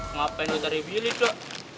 ngapain lo dari bilik dok